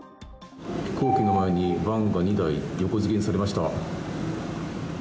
飛行機の前にバンが２台横付けにされました。